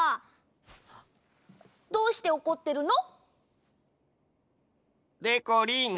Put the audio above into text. どうしておこってるの？でこりん